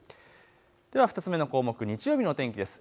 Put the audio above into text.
では２つ目の項目、日曜日の天気です。